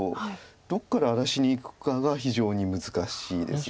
どこから荒らしにいくかが非常に難しいですこれは。